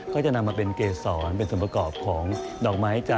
ก็จะนำมาเป็นเกษรเป็นส่วนประกอบของดอกไม้จันท